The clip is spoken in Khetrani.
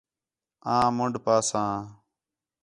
آں منڈھ پاساں